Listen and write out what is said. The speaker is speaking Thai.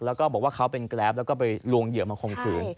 แล้วก็บอกว่าเขาเป็นแกรปแล้วก็ไปลวงเหยื่อมาข่มขืน